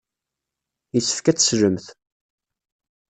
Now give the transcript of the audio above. Yessefk ad teslemt.